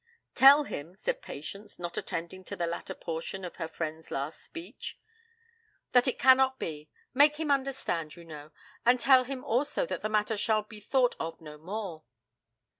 'Tell him,' said Patience, not attending to the latter portion of her friend's last speech, 'that it cannot be, make him understand, you know and tell him also that the matter shall be thought of no more.'